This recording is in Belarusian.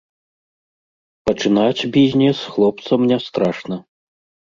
Пачынаць бізнес хлопцам не страшна.